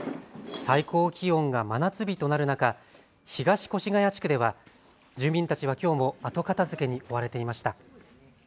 最高気温が真夏日となる中、東越谷地区では住民たちはきょうも後片づけに追われていました。